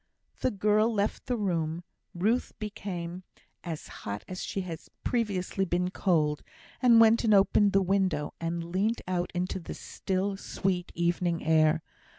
The girl left the room. Ruth became as hot as she had previously been cold, and went and opened the window, and leant out into the still, sweet, evening air.